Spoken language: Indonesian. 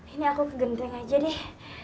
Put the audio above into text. ini aku kegenting aja deh